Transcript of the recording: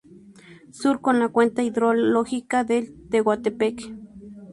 Sur con la cuenca hidrológica del Tehuantepec.